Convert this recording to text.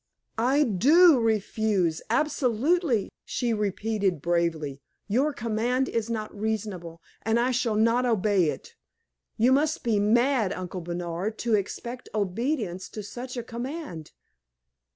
"I do refuse absolutely!" she repeated, bravely. "Your command is not reasonable, and I shall not obey it. You must be mad, Uncle Bernard, to expect obedience to such a command!"